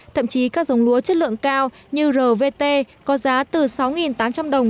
thậm chí các giống lúa chất lượng cao như rvt có giá từ sáu tám trăm linh đồng